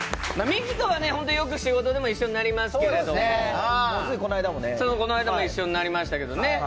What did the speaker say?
ミキとは本当によく仕事でも一緒になりますけども、この間も一緒になりましたけどね。